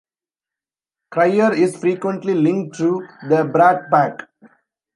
Cryer is frequently linked to the Brat Pack.